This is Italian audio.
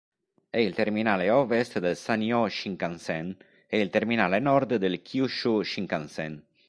È il terminale ovest del Sanyō Shinkansen e il terminale nord del Kyūshū Shinkansen.